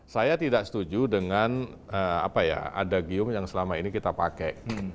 saya tidak setuju dengan adagium yang selama ini kita pakai